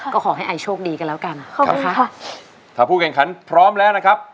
ก็ขอให้ไอโชคดีกันแล้วกันนะคะถ้าผู้แข่งขันพร้อมแล้วนะครับ